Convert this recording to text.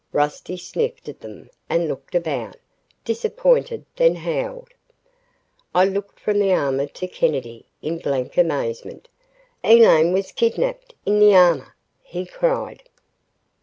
Rusty sniffed at them and looked about, disappointed, then howled. I looked from the armor to Kennedy, in blank amazement. "Elaine was kidnapped in the armor," he cried.